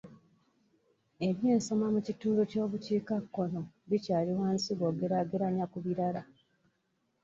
Ebyensoma mu kitundu ky'obukiikakkono bikyali wansi bw'ogeraageranya ku birala.